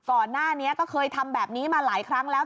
ก่อนหน้านี้ก็เคยทำแบบนี้มาหลายครั้งแล้ว